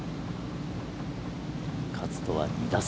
勝とは２打差。